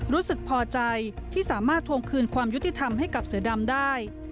รู้สึกพอใจที่สามารถทวงคืนความยุติธรรมให้กับเสือดำได้